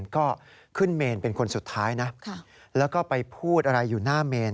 ก็ขึ้นเมนเป็นคนสุดท้ายนะแล้วก็ไปพูดอะไรอยู่หน้าเมน